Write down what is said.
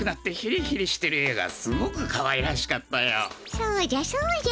そうじゃそうじゃ。